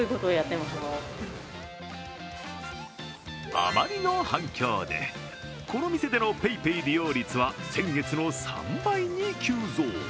あまりの反響で、この店でのＰａｙＰａｙ利用率は先月の３倍に急増。